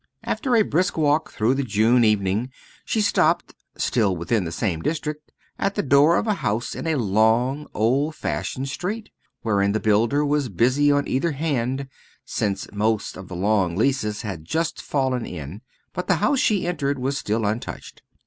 After a brisk walk through the June evening she stopped still within the same district at the door of a house in a long, old fashioned street, wherein the builder was busy on either hand, since most of the long leases had just fallen in. But the house she entered was still untouched.